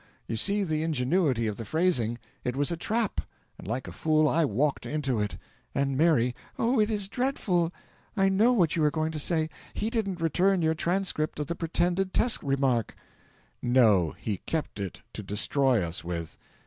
You see the ingenuity of the phrasing. It was a trap and like a fool, I walked into it. And Mary !" "Oh, it is dreadful I know what you are going to say he didn't return your transcript of the pretended test remark." "No kept it to destroy us with.